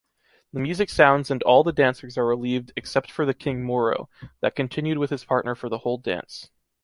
The music sounds and all the dancers are relieved except the King Moro, that continued with his partner for the whole dance.